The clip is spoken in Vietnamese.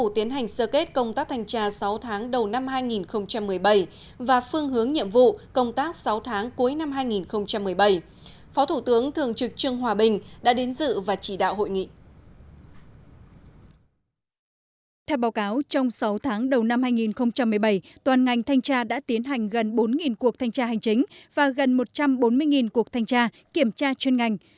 theo báo cáo trong sáu tháng đầu năm hai nghìn một mươi bảy toàn ngành thanh tra đã tiến hành gần bốn cuộc thanh tra hành chính và gần một trăm bốn mươi cuộc thanh tra kiểm tra chuyên ngành